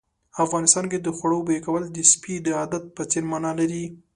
افغانستان کې د خوړو بوي کول د سپي د عادت په څېر مانا لري.